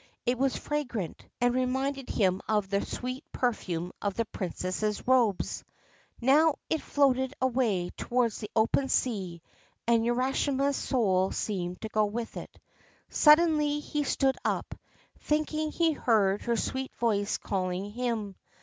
It was fragrant, and reminded him of the sweet perfume of the Princess's robes. Now it floated away towards the open sea and Urashima's soul seemed to go with it. Suddenly he stood up, thinking he heard her sweet voice calling him.